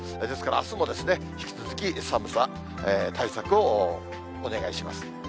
ですからあすも、引き続き寒さ対策をお願いします。